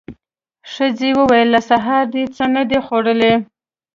ښځې وويل: له سهاره دې څه نه دي خوړلي.